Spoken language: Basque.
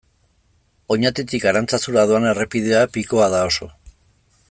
Oñatitik Arantzazura doan errepidea pikoa da oso.